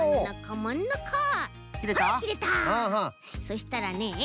そしたらねえ